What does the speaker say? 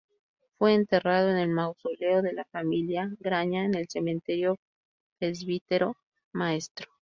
Fue enterrado en el mausoleo de la Familia Graña en el Cementerio Presbítero Maestro.